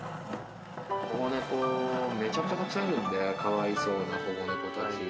保護猫めちゃくちゃたくさんいるんで、かわいそうな保護猫たち。